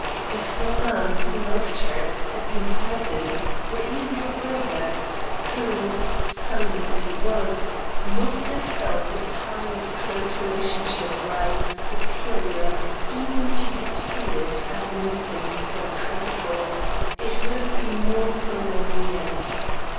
If the man who loved her had been present or even her brother, who, sullen as he was, must have felt the tie of close relationship rise superior even to his fears at an instant so critical, it would have been more solemn yet.